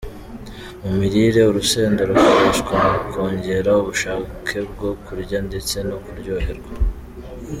Mu mirire ,urusenda rukoreshwa mu kongera ubushakebwo kurya ndetse no kuryoherwa.